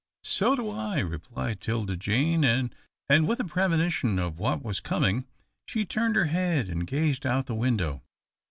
"So do I," replied 'Tilda Jane, and, with a premonition of what was coming, she turned her head and gazed out the window.